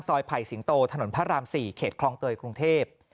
ไผ่สิงโตถนนพระราม๔เขตคลองเตยกรุงเทพ